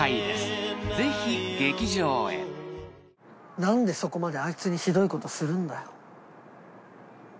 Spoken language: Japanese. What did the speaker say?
何でそこまであいつにひどいことするんだよ？